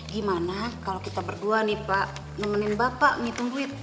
gimana kalau kita berdua nih pak nemenin bapak ngitung duit